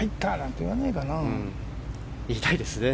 言いたいですね。